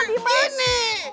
sampai jumpa lagi